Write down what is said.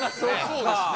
そうですね。